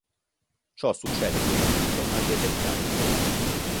Ciò succede soprattutto agli esemplari giovani.